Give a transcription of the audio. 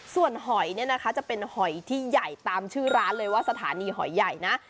ส่วนหอยเนี่ยนะคะจะเป็นหอยที่ใหญ่ตามชื่อร้านเลยว่าสถานีหอยใหญ่นะ